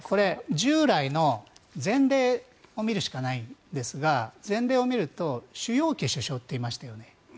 従来の前例を見るしかないんですが前例を見ると朱鎔基首相っていましたよね。